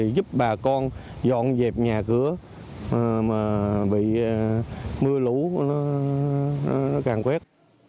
giúp bà con dọn dẹp nhà cửa mà bị mưa lũ nó càng quét